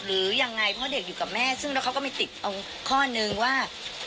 หรือยังไงพ่อเด็กอยู่กับแม่ซึ่งเขาก็ไม่ติดข้อนึงว่า